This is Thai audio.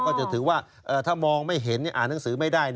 ก็จะถือว่าถ้ามองไม่เห็นอ่านหนังสือไม่ได้